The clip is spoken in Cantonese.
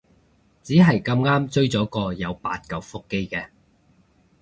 只係咁啱追咗個有八舊腹肌嘅